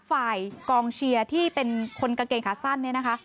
ฝ่ายกองเชียร์ที่เป็นคนกางเกงขาสั้น